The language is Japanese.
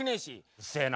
うっせえな。